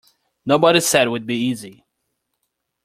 Nobody said it would be easy.